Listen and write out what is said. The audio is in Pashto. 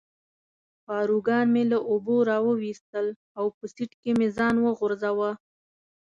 پاروګان مې له اوبو را وویستل او په سیټ کې مې ځان وغورځاوه.